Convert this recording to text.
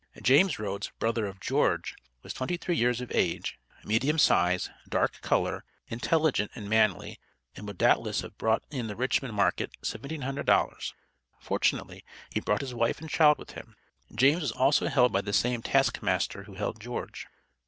James Rhoads, brother of George, was twenty three years of age, medium size, dark color, intelligent and manly, and would doubtless have brought, in the Richmond market, $1700. Fortunately he brought his wife and child with him. James was also held by the same task master who held George.